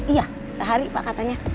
iya sehari pak katanya